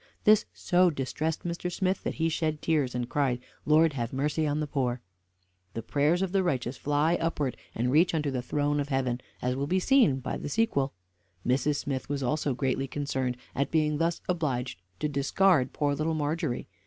This so distressed Mr. Smith, that he shed tears, and cried, "Lord, have mercy on the poor!" The prayers of the righteous fly upwards, and reach unto the throne of heaven, as will be seen by the sequel. Mrs. Smith was also greatly concerned at being thus obliged to discard poor Little Margery.